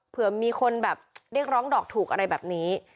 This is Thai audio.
เผื่อมีคนแบบเรียกร้องดอกถูกอะไรแบบนี้